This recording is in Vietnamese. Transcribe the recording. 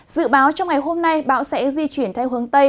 dự báo trong ngày hôm nay bão sẽ di chuyển theo hướng tây